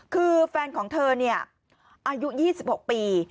คือแฟนของเธออายุ๒๖ปี